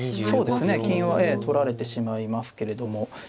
そうですね金は取られてしまいますけれども。